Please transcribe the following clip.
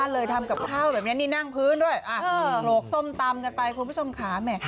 เลยทำกับข้าวแบบนี้นี่นั่งพื้นด้วยโปรกส้มตำกันไปคุณผู้ชมค่ะ